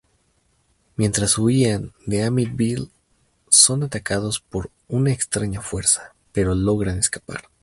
Mientras huían de Amityville, son atacados por una extraña fuerza, pero logran escapar.